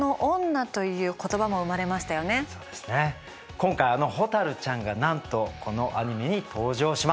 今回あの蛍ちゃんがなんとこのアニメに登場します。